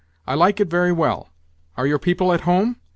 I like it very well. Are your people at home?